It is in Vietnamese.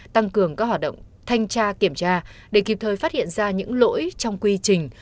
tăng cường các hoạt động thanh tra kiểm tra để kịp thời phát hiện ra những lỗi trong quy trình